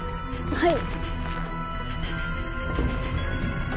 はい。